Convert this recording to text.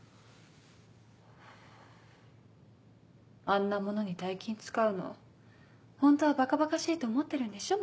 あんなものに大金使うのホントはばかばかしいと思ってるんでしょ？